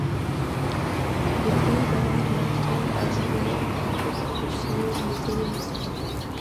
Depuis lors, l'acteur a joué dans beaucoup de films de télévision.